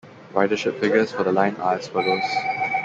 Ridership figures for the line are as follows.